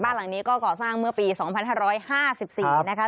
บ้านหลังนี้ก็ก่อสร้างเมื่อปี๒๕๕๔นะคะ